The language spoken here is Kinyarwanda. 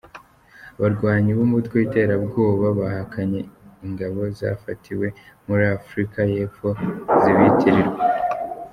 Abarwanyi bumutwe w’iterabwoba bihakanye ingabo zafatiwe muri Afurika y’Epfo zibitirirwa